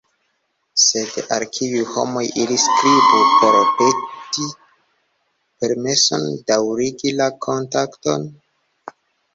Sed al kiuj homoj ili skribu por peti permeson daŭrigi la kontakton?